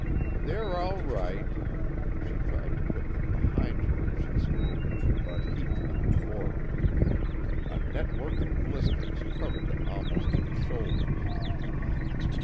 "They're all right " She tried to put them behind her as she spoke, but he drew them forward. A network of blisters covered them almost to the shoulders.